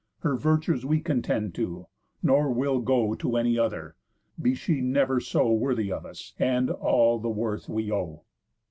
Her virtues we contend to, nor will go To any other, be she never so Worthy of us, and all the worth we owe."